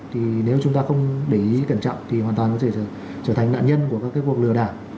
thì nếu chúng ta không để ý cẩn trọng thì hoàn toàn có thể trở thành nạn nhân của các cuộc lừa đảo